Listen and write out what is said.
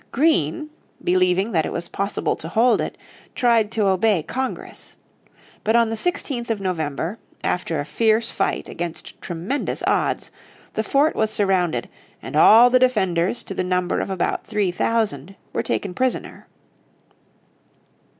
Greene, believing that it was possible to hold it, tried to obey Congress. But on the 16th of November, after a fierce fight against tremendous odds, the fort was surrounded, and all the defenders to the number of about three thousand were taken prisoner.